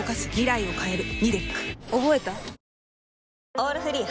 「オールフリー」